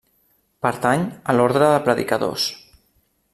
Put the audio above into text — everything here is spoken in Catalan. Pertany a l'Orde de Predicadors.